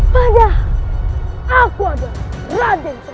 padahal aku adalah raden sese